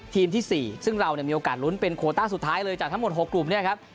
ที่๔ซึ่งเราเนี่ยมีโอกาสลุ้นเป็นโคต้าสุดท้ายเลยจากทั้งหมด๖กลุ่มเนี่ยครับ